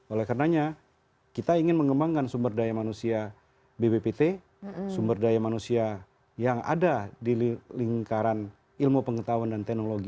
oleh karenanya kita ingin mengembangkan sumber daya manusia bbpt sumber daya manusia yang ada di lingkaran ilmu pengetahuan dan teknologi